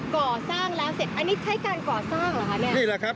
ก่อสร้างแล้วเสร็จอันนี้ใช้การก่อสร้างเหรอคะเนี่ยนี่แหละครับ